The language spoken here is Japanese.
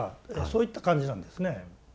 そういった感じなんですね。